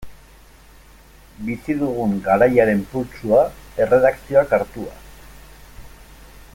Bizi dugun garaiaren pultsua, erredakzioak hartua.